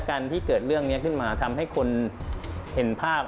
การที่เกิดเรื่องนี้ขึ้นมาทำให้คนเห็นภาพ